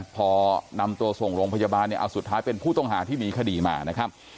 พอนำตัวส่งโรงพยาบาลเนี่ยเอาสุดท้ายเป็นผู้ต้องหาที่มีคดีมานะครับ